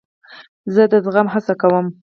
زه د زغم هڅه کوم.